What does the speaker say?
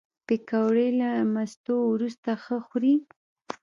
پکورې له مستو وروسته ښه خوري